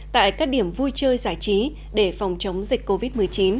tại các điểm vui chơi giải trí để phòng chống dịch covid một mươi chín